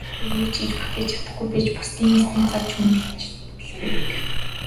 Өөрсдөө юу ч хийж бүтээж чадахгүй байж бусдын хийснийг зад шүүмжилдэг.